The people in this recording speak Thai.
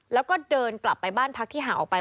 แล้วก็เดินกลับไปบ้านพักที่ห่างออกไป